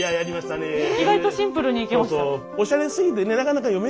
意外とシンプルにいきました。